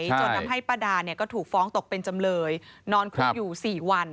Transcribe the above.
จนทำให้ป้าดาก็ถูกฟ้องตกเป็นจำเลยนอนคุกอยู่๔วัน